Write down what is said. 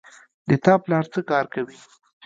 د تا پلار څه کار کوی